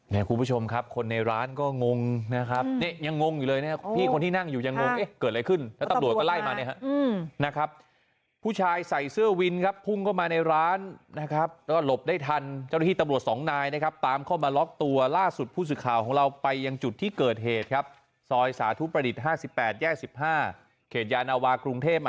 คุณผู้ชมครับคนในร้านก็งงนะครับเนี่ยยังงงอยู่เลยนะครับพี่คนที่นั่งอยู่ยังงงเอ๊ะเกิดอะไรขึ้นแล้วตำรวจก็ไล่มานะครับผู้ชายใส่เสื้อวินครับพุ่งเข้ามาในร้านนะครับก็หลบได้ทันเจ้าหน้าที่ตำรวจสองนายนะครับตามเข้ามาล็อกตัวล่าสุดผู้สื่อข่าวของเราไปยังจุดที่เกิดเหตุครับซอยสาธุประดิษฐ์๕๘แยก๑๕เขตยานาวากรุงเทพ